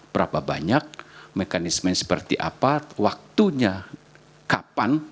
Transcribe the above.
berapa banyak mekanismenya seperti apa waktunya kapan